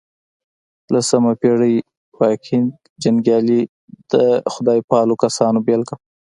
لسمه پېړۍ واکینګ جنګيالي د خدای پالو کسانو بېلګه وه.